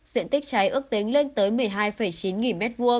diện tích cháy ước tính lên tới một mươi hai chín nghìn m hai